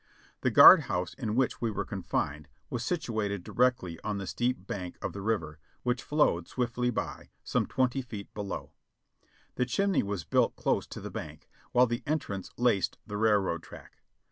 The guard house in which we were confined was situated directly on the steep bank of the river, which flowed swiftly by, some SIR JOHN S RUN 507 twenty feet below. The chimney was built close to the bank, while the entrance faced the railroad track.